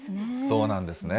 そうなんですね。